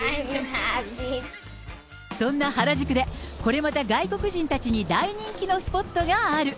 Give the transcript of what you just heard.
そんな原宿で、これまた外国人たちに大人気のスポットがある。